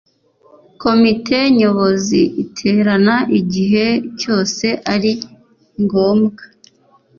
komite nyobozi iterana igihe cyose ari ngombwa